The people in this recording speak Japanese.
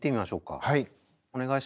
はい。